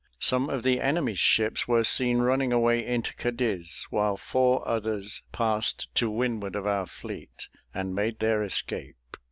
Some of the enemy's ships were seen running away into Cadiz; while four others passed to windward of our fleet, and made their escape.